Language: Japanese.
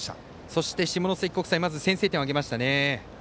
そして下関国際先制点を挙げましたね。